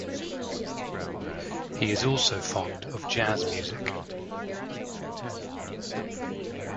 He is also fond of jazz music.